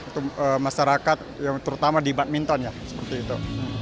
atau masyarakat yang terutama di badminton ya seperti itu